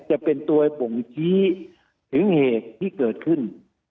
จะเป็นตัวบ่งชี้ถึงเหตุที่เกิดขึ้น